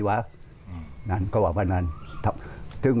วิทยาลัยศาสตรี